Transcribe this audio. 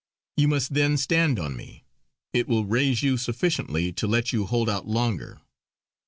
You must then stand on me; it will raise you sufficiently to let you hold out longer."